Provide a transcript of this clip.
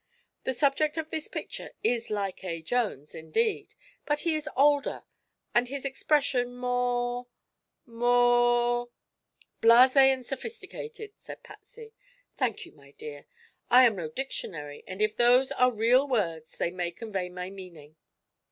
The subject of this picture is like A. Jones, indeed, but he is older and his expression more more " "Blase and sophisticated," said Patsy. "Thank you, my dear; I am no dictionary, and if those are real words they may convey my meaning.